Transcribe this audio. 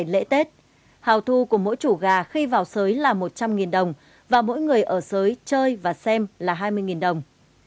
lễ tết hào thu của mỗi chủ gà khi vào sới là một trăm linh đồng và mỗi người ở sới chơi và xem là hai mươi đồng